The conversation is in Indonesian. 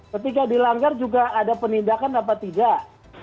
ketika dilanggar juga ada penindakan apa tidak